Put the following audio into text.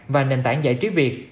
và nền tảng giải trí việt